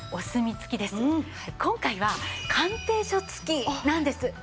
今回は鑑定書付きなんです。